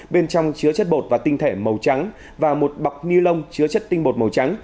bên trong chứa chất bột và tinh thể màu trắng và một bọc ni lông chứa chất tinh bột màu trắng